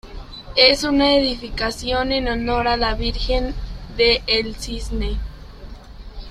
Es una edificación en honor a la Virgen de El Cisne.